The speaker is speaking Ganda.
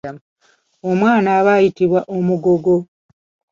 Omwana aba ayitibwa omugogo.